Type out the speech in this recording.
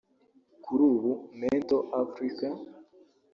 Kuri ubu Mento Africa